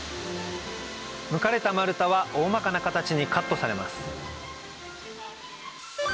むかれた丸太は大まかな形にカットされます